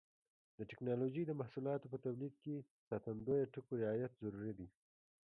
د ټېکنالوجۍ د محصولاتو په تولید کې د ساتندویه ټکو رعایت ضروري دی.